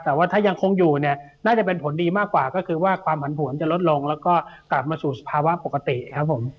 แต่ว่าถ้ายังคงอยู่เนี่ยน่าจะเป็นผลดีมากกว่าก็คือว่าความผันผวนจะลดลงแล้วก็กลับมาสู่สภาวะปกติครับผม